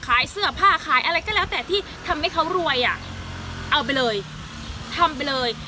ขายเสื้อผ้าขายอะไรก็แล้วแต่ที่ทำให้เขารวยอ่ะเอาไปเลยทำไปเลย